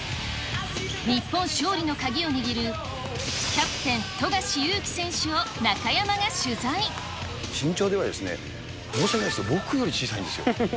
日本勝利の鍵を握るキャプテン、身長ではですね、申し訳ないですけど、僕より小さいんですよ。